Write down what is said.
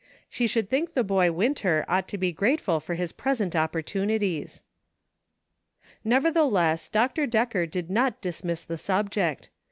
She should think the boy, Winter, ought to be grateful for his present opportunities. Nevertheless, Dr. Decker did not dismiss the subject.